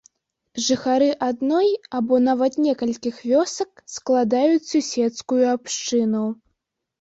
Жыхары адной або нават некалькіх вёсак складаюць суседскую абшчыну.